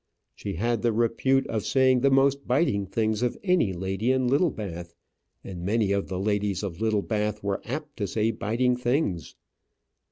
She had the repute of saying the most biting things of any lady in Littlebath and many of the ladies of Littlebath were apt to say biting things.